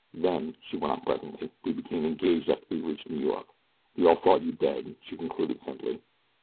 "Then," she went on presently, "we became engaged after we reached New York. We all thought you dead," she concluded simply.